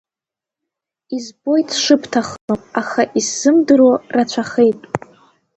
Избоит сшыбҭахым, аха исзымдыруа рацәахеит.